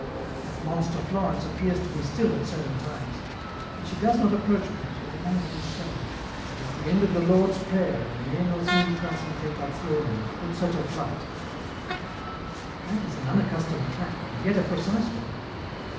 That monster Florence appears to me still at certain times, but she does not approach me, she remains in the shade, and the end of the Lord's Prayer the ' ne nos inducas in tentationem,' puts her to flight. That is an unaccustomed fact, and yet a precise one.